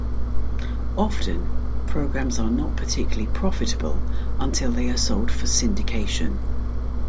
Often, programs are not particularly profitable until they are sold for syndication.